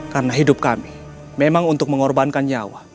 karena hidup kami memang untuk mengorbankan nyawa